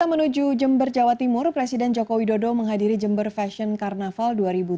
kita menuju jember jawa timur presiden joko widodo menghadiri jember fashion carnaval dua ribu tujuh belas